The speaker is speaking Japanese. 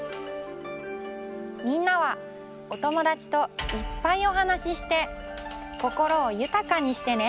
みんなはおともだちといっぱいおはなしして心をゆたかにしてね。